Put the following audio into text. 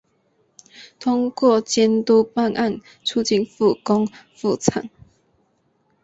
通过检察办案促进复工复产